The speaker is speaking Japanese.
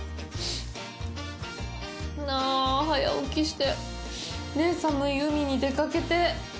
あ、早起きして、ねっ、寒い海に出かけて。